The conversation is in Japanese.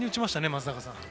松坂さん。